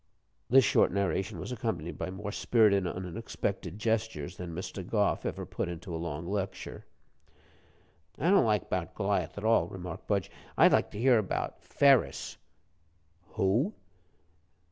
This short narration was accompanied by more spirited and unexpected gestures than Mr. Gough ever puts into a long lecture. "I don't like 'bout Goliath at all," remarked Budge. "I'd like to hear 'bout Ferus." "Who?"